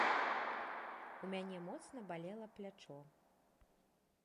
У мяне моцна балела плячо.